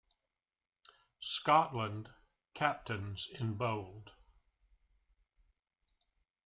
Scotland captains in bold.